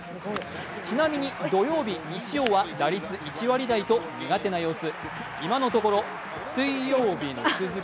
ちなみに土曜日、日曜日は打率が１割台と苦手な様子。